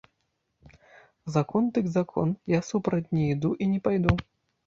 Закон дык закон, я супроць не іду і не пайду!